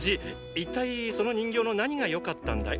一体その人形の何がよかったんだい？